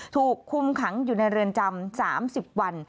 ถูกคุมขังอยู่ในเรือนจำ๓๐วัน